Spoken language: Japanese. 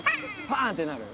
パーンってなる？